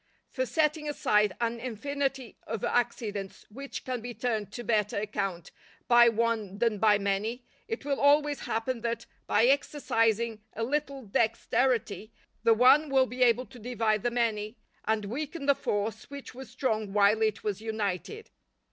For setting aside an infinity of accidents which can be turned to better account by one than by many, it will always happen that, by exercising a little dexterity, the one will be able to divide the many, and weaken the force which was strong while it was united.